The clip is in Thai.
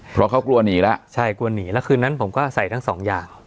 เพราะเขากลัวหนีแล้วใช่กลัวหนีแล้วคืนนั้นผมก็ใส่ทั้งสองอย่าง